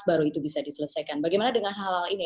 baru itu bisa diselesaikan bagaimana dengan hal hal ini